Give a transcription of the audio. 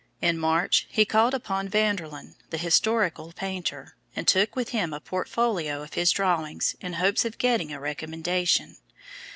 In March he called upon Vanderlyn, the historical painter, and took with him a portfolio of his drawings in hopes of getting a recommendation.